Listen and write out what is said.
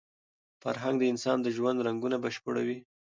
فرهنګ د انسان د ژوند رنګونه بشپړوي.